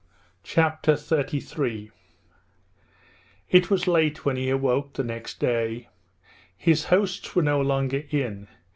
Chapter XXXIII It was late when he awoke the next day. His hosts were no longer in.